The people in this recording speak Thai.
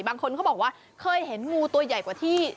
บางคนเขาบอกว่าเคยเห็นงูตัวใหญ่กว่าที่